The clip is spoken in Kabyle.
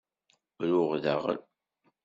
Ruɣ daɣen.